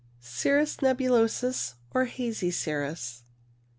Cirrus nebulosus, or Hazy cirrus.